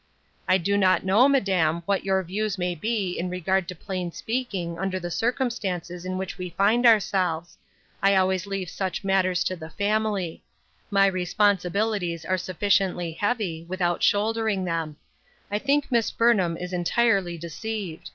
" I do not know, madam, what your views may be in regard to plain speaking, under the circum stances in which we find ourselves ; I always leave such matters to the family ; my responsibili ties are sufficiently heavy, without shouldering them ; I think Miss Burnham is entirely deceived.